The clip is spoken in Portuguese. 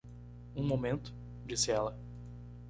"Um momento", disse ela.